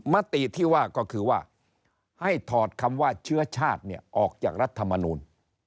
มติที่ว่าก็คือว่าให้ถอดคำว่าเชื้อชาติออกจากรัฐมนูล